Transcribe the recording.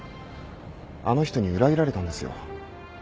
あの人に裏切られたんですよ。